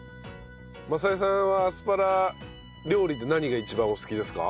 政江さんはアスパラ料理で何が一番お好きですか？